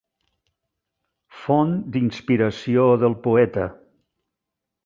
Font d'inspiració del poeta.